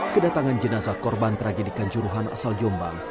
kedatangan jenazah korban tragedi kanjuruhan asal jombang